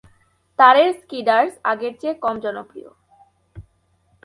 তারের স্কিডার্স আগের চেয়ে কম জনপ্রিয়।